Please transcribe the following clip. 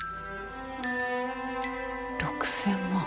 ６，０００万。